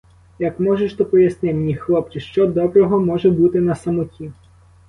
Як можеш, то поясни мені, хлопче, що доброго може бути на самоті?